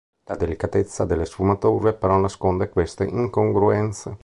La delicatezza delle sfumature però nasconde queste incongruenze.